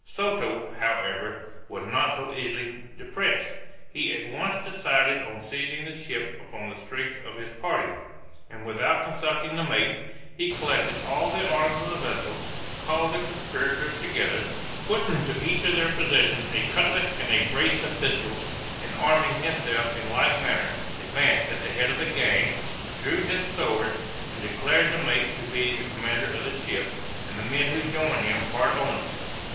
Soto, however, was not so easily depressed. He at once decided on seizing the ship upon the strength of his party: and without consulting the mate, he collected all the arms of the vessel, called the conspirators together, put into each of their possession a cutlass and a brace of pistols, and arming himself in like manner, advanced at the head of the gang, drew his sword, and declared the mate to be the commander of the ship, and the men who joined him part owners.